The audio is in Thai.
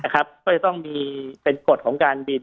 ก็จะต้องมีเป็นกฎของการบิน